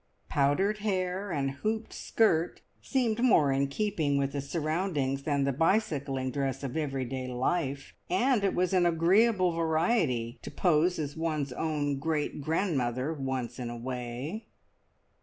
Powdered hair and hooped skirt seemed more in keeping with the surroundings than the bicycling dress of everyday life, and it was an agreeable variety to pose as one's own great grandmother once in a way.